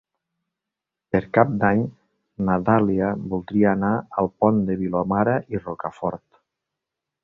Per Cap d'Any na Dàlia voldria anar al Pont de Vilomara i Rocafort.